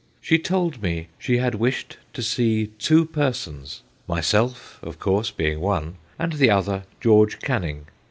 She told me she had wished to see two persons myself, of course, being one, and the other George Canning.